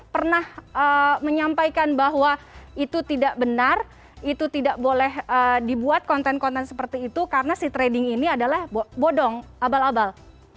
pernah menyampaikan bahwa itu tidak benar itu tidak boleh dibuat konten konten seperti itu karena si trading ini adalah bodong abal abal